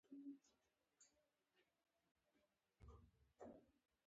ښايي دغه لارښوونې په پيل کې لنډې او مختصرې ښکاره شي.